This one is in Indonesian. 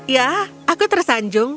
ya aku tersanjung